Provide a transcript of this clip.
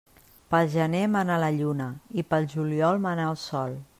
Pel gener mana la lluna i pel juliol mana el sol.